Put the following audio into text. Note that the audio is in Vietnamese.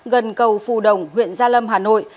gần cầu phù đồng huyện gia lâm hà nội